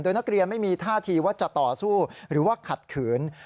นักเรียนไม่มีท่าทีว่าจะต่อสู้หรือว่าขัดขืน